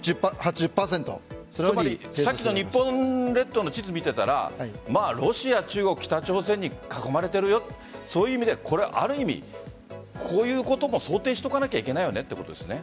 さっきの日本列島の地図を見ていたらロシア、中国、北朝鮮に囲まれているよそういう意味で、ある意味こういうことも想定しておかなければいけないということですよね？